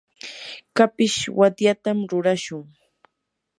kapish watyatam rurashun.